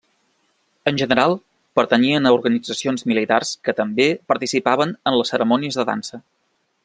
En general, pertanyien a organitzacions militars que també participaven en les cerimònies de dansa.